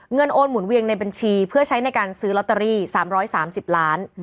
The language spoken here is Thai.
โอนหมุนเวียงในบัญชีเพื่อใช้ในการซื้อลอตเตอรี่๓๓๐ล้าน